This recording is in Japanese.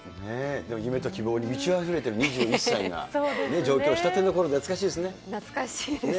でも夢と希望に満ちあふれてる２１歳の、上京したてのころは懐かしいですね。